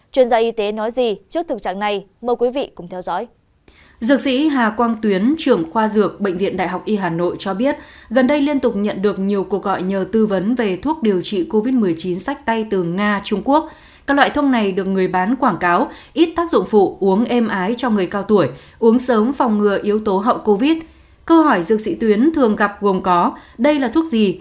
chuyên gia y tế nói gì trước thực trạng này mời quý vị cùng theo dõi